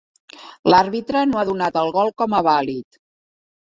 L'àrbitre no ha donat el gol com a vàlid.